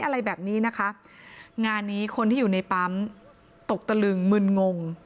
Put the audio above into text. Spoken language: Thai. อะไรแบบนี้นะคะงานนี้คนที่อยู่ในปั๊มตกตะลึงมึนงง